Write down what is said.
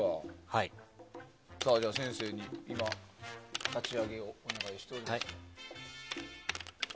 先生に立ち上げをお願いしています。